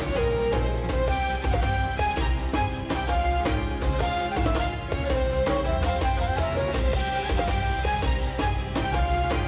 waalaikumsalam warahmatullahi wabarakatuh